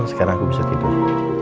sekarang aku bisa tidur